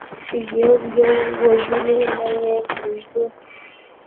يو يو وژنو، نه يې پرېږدو.